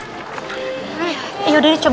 iya udah ini coba ustazah telpon ustazah teri tuan